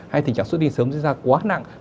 hay tình trạng xuất đi sớm diễn ra quá nặng